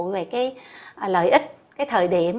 về cái lợi ích cái thời điểm